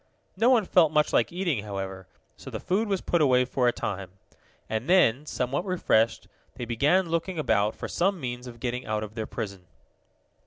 No one felt much like eating, however, so the food was put away for a time. And then, somewhat refreshed, they began looking about for some means of getting out of their prison.